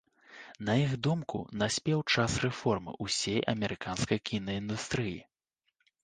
На іх думку, наспеў час рэформы ўсёй амерыканскай кінаіндустрыі.